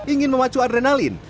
ingin memacu adrenalin